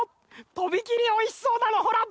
とびきりおいしそうなのほら！